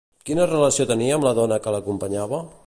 Quina relació tenia amb la dona que l'acompanyava?